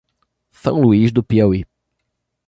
São Luís do Piauí